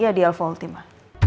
iya di alpha ultima